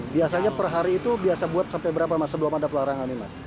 biasanya per hari itu biasa buat sampai berapa mas sebelum ada pelarangan ini mas